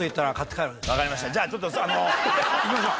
じゃあちょっとあのいきましょう。